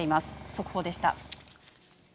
速報でした。